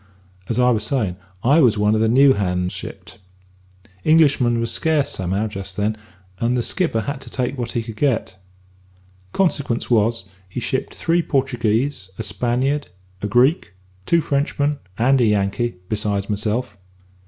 As I was savin', I was one of the new hands shipped. Englishmen was scarce somehow just then, and the skipper had to take what he could get. Consequence was, he shipped three Portuguese, a Spaniard, a Greek, two Frenchmen, and a Yankee, besides myself.